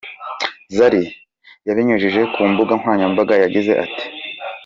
Zari yabinyujije ku mbuga nkoranyambaga yagize ati:.